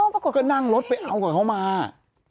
แล้วเธอก็บอกบังคับให้เขาเอามาให้